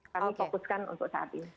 kami fokuskan untuk saat ini